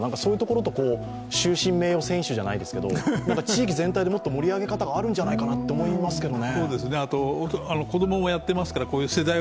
そういうところと終身名誉選手じゃないですけど、地域での盛り上げ方あると思いますけどね。